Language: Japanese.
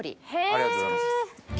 ありがとうございます。